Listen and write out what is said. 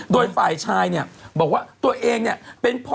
โดยฝ่ายชายเนี่ยบอกว่าตัวเองเนี่ยเป็นพ่อ